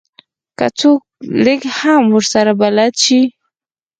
که څوک لږ هم ورسره بلد شي.